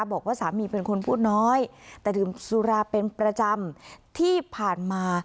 บอกว่าสามีเป็นคนพูดน้อยแต่ดื่มสุราเป็นประจำที่ผ่านมา